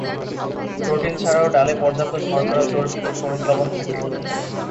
Protein ছাড়াও ডালে পর্যাপ্ত শর্করা, চর্বি ও খনিজ লবণ থাকে।